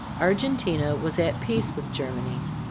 Argentina was at peace with Germany.